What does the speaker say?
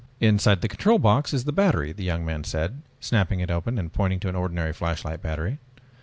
"Inside the control box is the battery," the young man said, snapping it open and pointing to an ordinary flashlight battery.